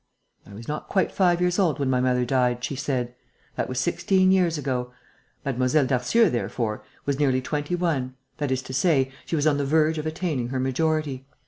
'I was not quite five years old when my mother died,' she said. 'That was sixteen years ago.' Mlle. Darcieux, therefore, was nearly twenty one, that is to say, she was on the verge of attaining her majority.